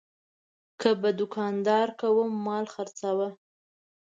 که به دوکاندار کوم مال خرڅاوه.